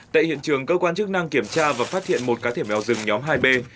tại hiện trường cơ quan chức năng kiểm tra và phát hiện một cá thể mèo rừng nhóm hai b